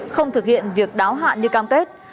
không thực hiện việc đáo hạn như cam kết